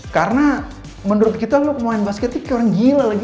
karena menurut kita lo mau main basketnya kayak orang gila lagi